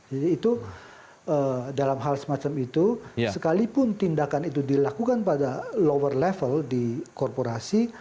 jadi itu dalam hal semacam itu sekalipun tindakan itu dilakukan pada lower level di korporasi